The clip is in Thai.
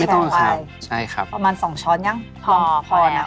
ไม่ต้องใส่ทางใหญ่